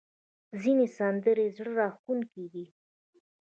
ځینې سندرې زړه راښکونکې دي.